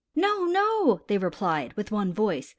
"No, no," they replied, with one voice.